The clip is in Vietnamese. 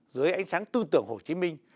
dưới ánh sáng tư tưởng hồ chí minh